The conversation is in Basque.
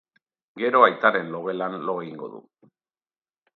Gero aitaren logelan lo egingo du.